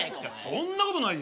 そんなことないよ。